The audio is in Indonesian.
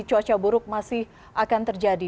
cuaca buruk masih akan terjadi